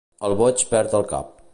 El boig perd el cap.